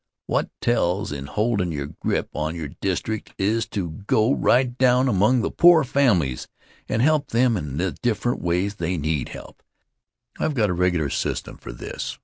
What tells in holdin' your grip on your district is to go right down among the poor families and help them in the different ways they need help. I've got a regular system for this.